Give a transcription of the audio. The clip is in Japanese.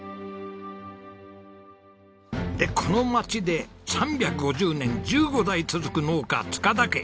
でこの町で３５０年１５代続く農家塚田家。